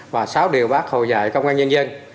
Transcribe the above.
và sáu điều bác hồ dạy công an nhân dân